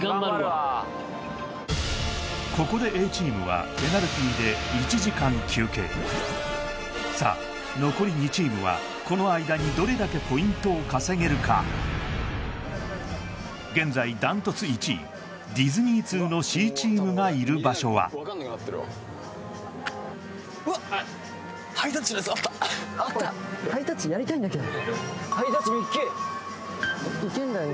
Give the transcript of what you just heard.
ここでＡチームはペナルティーで１時間休憩さあ残り２チームはこの間にどれだけポイントを稼げるか現在ダントツ１位ディズニー通のＣチームがいる場所はうわっあったハイタッチ見っけ・行けんだろ